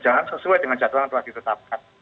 jangan sesuai dengan jadwal yang telah ditetapkan